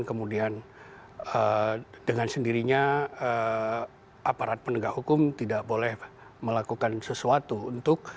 kemudian dengan sendirinya aparat penegak hukum tidak boleh melakukan sesuatu untuk